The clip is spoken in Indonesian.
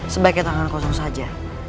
sebaiknya tangan kosong saja